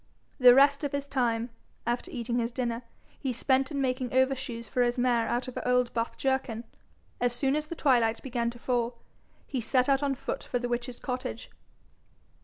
The rest of his time, after eating his dinner, he spent in making overshoes for his mare out of an old buff jerkin. As soon as the twilight began to fall, he set out on foot for the witch's cottage.